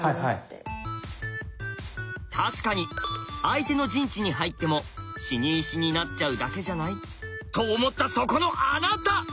確かに相手の陣地に入っても死に石になっちゃうだけじゃない？と思ったそこのあなた！